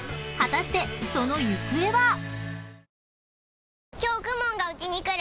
［果たしてその行方は？］